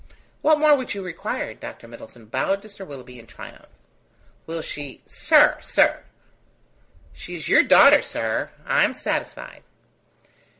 "What more would you require?" Dr. Middleton bowed to Sir Willoughby in triumph. "Will she. .." "Sir! Sir!" "She is your daughter, sir. I am satisfied."